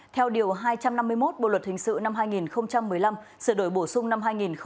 theo điều hai trăm năm mươi một bộ luật hình sự năm hai nghìn một mươi năm sửa đổi bổ sung năm hai nghìn một mươi bảy